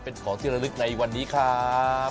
เป็นของที่ระลึกในวันนี้ครับ